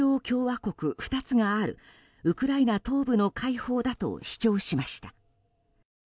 共和国２つがあるウクライナ東部の解放だと主張しました。